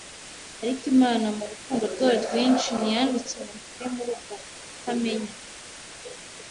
Ariko Imana mu rukundo rwayo rwinshi ntiyandetse ngo mpfire muri ubwo butamenya.